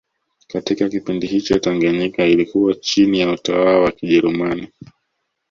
Katika kipindi hicho Tanganyika ilikuwa chini ya utawala wa Kijerumani